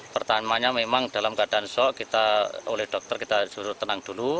pertamanya memang dalam keadaan syok oleh dokter kita suruh tenang dulu